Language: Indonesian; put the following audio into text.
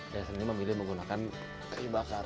dan sendiri memilih menggunakan kayu bakar